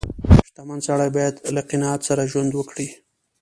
• شتمن سړی باید له قناعت سره ژوند وکړي.